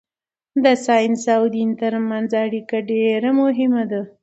د ساینس او دین ترمنځ اړیکه ډېره مهمه ده.